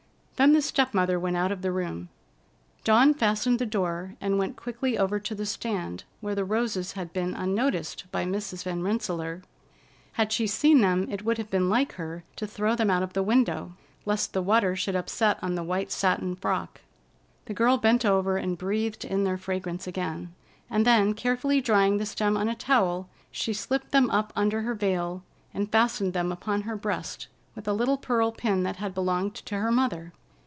Then the step mother went out of the room. Dawn fastened the door and went quickly over to the stand, where the roses had been unnoticed by Mrs. Van Rensselaer. Had she seen them, it would have been like her to throw them out of the window, lest the water should upset on the white satin frock. The girl bent over and breathed in their fragrance again, and then, carefully drying the stem on a towel, she slipped them up under her veil and fastened them upon her breast with a little pearl pin that had belonged to her mother.